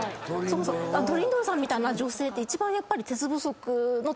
トリンドルさんみたいな女性って一番やっぱり。